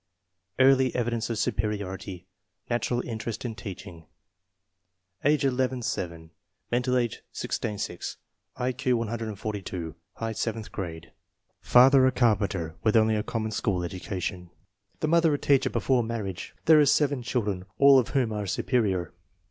Early evidence of superiority. Natural interest in teaching. Age 11 7; mental age 16 6; I Q 142; high seventh grade. Father a carpenter, with only a common school education. The mother a teacher before marriage. There are seven children, all of whom are superior.